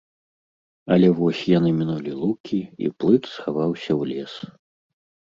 Але вось яны мінулі лукі, і плыт схаваўся ў лес.